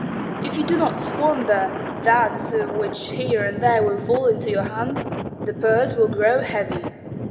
If you do not squander that which here and there will fall into your hands, the purse will grow heavy.